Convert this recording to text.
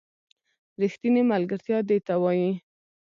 ریښتینې ملگرتیا دې ته وايي